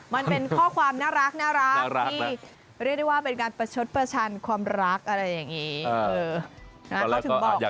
มันเป็นข้อความน่ารักที่เรียกได้ว่าเป็นการประชดประชันความรักอะไรอย่างนี้